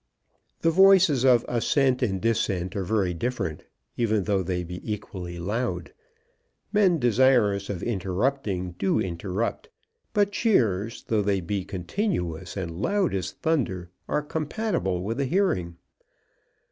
The voices of assent and dissent are very different, even though they be equally loud. Men desirous of interrupting, do interrupt. But cheers, though they be continuous and loud as thunder, are compatible with a hearing.